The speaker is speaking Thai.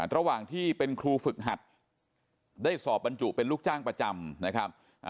ระหว่างที่เป็นครูฝึกหัดได้สอบบรรจุเป็นลูกจ้างประจำนะครับ